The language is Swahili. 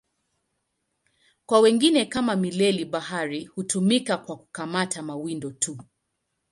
Kwa wengine, kama mileli-bahari, hutumika kwa kukamata mawindo tu.